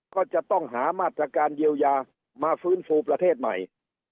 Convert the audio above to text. ก็จะต้องหามาตรการเยียวยามาฟื้นฟูประเทศใหม่